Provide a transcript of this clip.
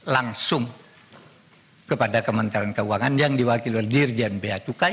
langsung kepada kementerian keuangan yang diwakilkan dirjen b a cukai